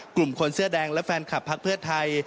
คนเสื้อแดงและแฟนคลับพักเพื่อไทย